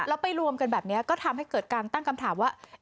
แล้วไปรวมกันแบบนี้ก็ทำให้เกิดการตั้งคำถามว่า